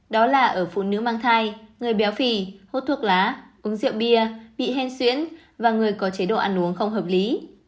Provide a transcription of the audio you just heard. đó là ở phụ nữ mang thai người béo phì hút thuốc lá uống rượu bia bị hen xuyễn và người có chế độ ăn uống không hợp lý